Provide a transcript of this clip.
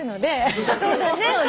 そうだね。